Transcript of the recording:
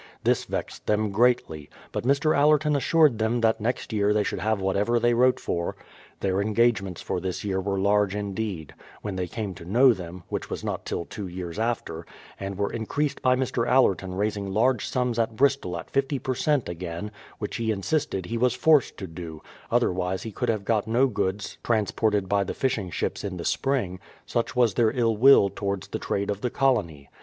This vexed them greatly, but Mr. Allerton assured them tliat next year they should have whatever they wrote for. Their engagements for this year were large indeed, — when they came to know them, which was not till two years after; and were increased by Mr. Allerton raising large sums at Bristol at 50 per cent again, which he insisted he was forced to do, otherwise he could have got no goods transported by the fishing ships in the spring, — such was their ill will towards the trade of the colony.